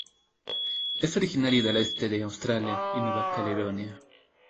Es originario del este de Australia y Nueva Caledonia.